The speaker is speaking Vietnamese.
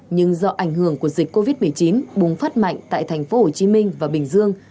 nhưng do ảnh hưởng của dịch covid một mươi chín bùng phát mạnh tại thành phố hồ chí minh và bình dương